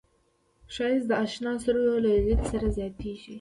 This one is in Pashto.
ښایست د اشنا سترګو له لید سره زیاتېږي